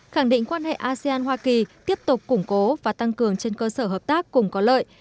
khẳng định quan hệ asean hoa kỳ tiếp tục củng cố và tăng cường trên cơ sở hợp tác cùng có lợi